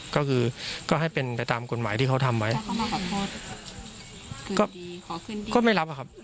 ก็คือก็ให้เป็นไปตามกฎหมายที่เขาทำไว้ก็ก็ไม่รับอะครับ